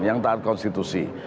yang taat konstitusi